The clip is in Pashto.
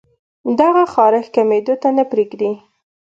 دغه خارښ کمېدو ته نۀ پرېږدي